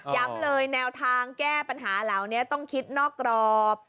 เลยแนวทางแก้ปัญหาเหล่านี้ต้องคิดนอกกรอบ